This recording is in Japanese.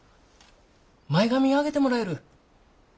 前髪上げてもらえる？